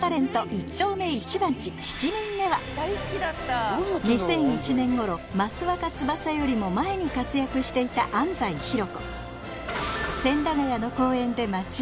一丁目一番地７人目は２００１年頃益若つばさよりも前に活躍していた安西ひろこ